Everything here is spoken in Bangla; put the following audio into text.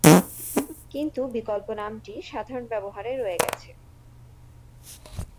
কিন্তু বিকল্প নামটিই সাধারণ ব্যবহারে রয়ে গেছে।